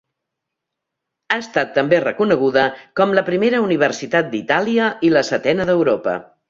Ha estat també reconeguda com la primera universitat d'Itàlia i la setena d'Europa.